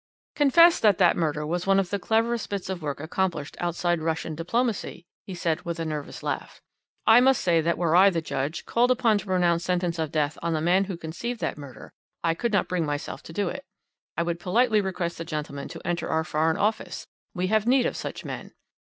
"Confess that that murder was one of the cleverest bits of work accomplished outside Russian diplomacy," he said with a nervous laugh. "I must say that were I the judge, called upon to pronounce sentence of death on the man who conceived that murder, I could not bring myself to do it. I would politely request the gentleman to enter our Foreign Office we have need of such men.